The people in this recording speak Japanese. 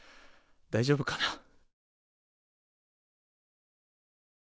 大丈夫かな。